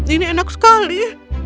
ini enak sekali